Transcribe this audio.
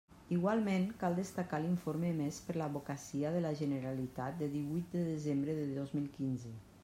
Igualment, cal destacar l'informe emès per l'Advocacia de la Generalitat, de díhuit de desembre de dos mil quinze.